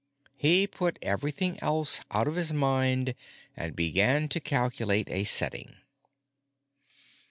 He put everything else out of his mind and began to calculate a setting.